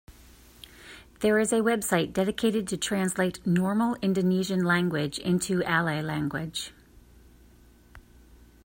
There is a website dedicated to translate normal Indonesian language into alay language.